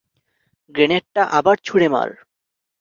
গ্রেনেডটা আবার ছুঁড়ে মার!